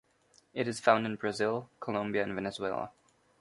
It is found in Brazil, Colombia, and Venezuela.